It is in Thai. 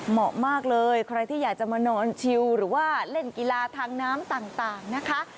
เหมาะมากเลยใครที่อยากจะมานอนชิวหรือว่าเล่นกีฬาทางน้ำต่างนะคะ